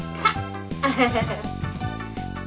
アハハハ。